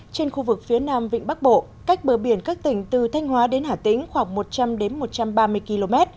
trên khu vực phía nam vịnh bắc bộ cách bờ biển các tỉnh từ thanh hóa đến hà tĩnh khoảng một trăm linh một trăm ba mươi km